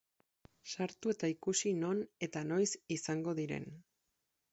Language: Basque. Sartu eta ikusi non eta noiz izango diren.